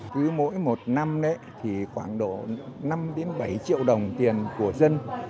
cứ mỗi một năm thì khoảng độ năm bảy triệu đồng tiền của dân